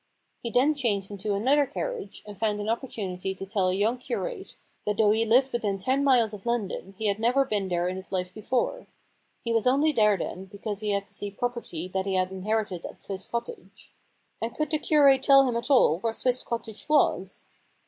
He then changed into another carriage and found an opportunity to tell a young curate that though he lived within ten miles of London he had never been there in his life before. He was only there then because he had to see property that he had inherited at Swiss Cottage. And could the curate tell him at all where Swiss Cottage was